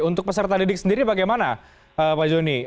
untuk peserta didik sendiri bagaimana pak joni